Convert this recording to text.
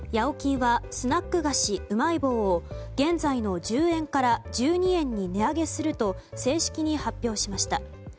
おきんはスナック菓子うまい棒を現在の１０円から１２円に値上げすると正式に発表しました。